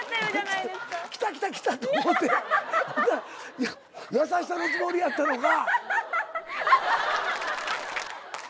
きたきたきたって思って優しさのつもりやったのが。